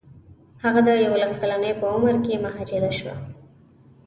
هغه د یوولس کلنۍ په عمر کې مهاجره شوه.